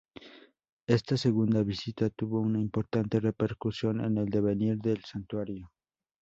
Esta segunda visita tuvo una importante repercusión en el devenir del santuario.